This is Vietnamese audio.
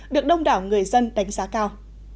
được đông đảo người dân đánh giá cao